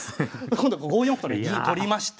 今度５四歩とね銀取りまして。